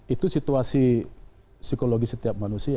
itu situasi psikologi setiap manusia